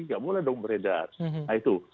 nggak boleh dong beredar nah itu